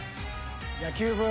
野球部。